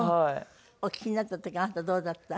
お聞きになった時あなたどうだった？